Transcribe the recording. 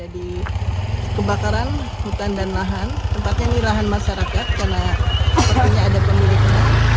di kebakaran hutan dan lahan tempatnya ini lahan masyarakat karena sepertinya ada pemiliknya